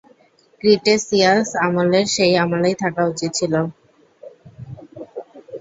Cretaceous আমলের, সেই আমলেই থাকা উচিত ছিল।